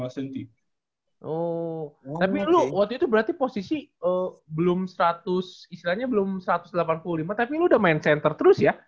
tapi lu waktu itu berarti posisi belum seratus istilahnya belum satu ratus delapan puluh lima tapi lu udah main center terus ya